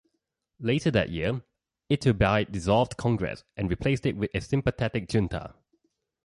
Later that year, Iturbide dissolved Congress and replaced it with a sympathetic junta.